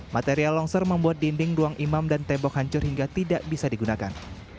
material longsor membuat dinding ruang imam dan tembok hancur hingga tidak bisa digunakan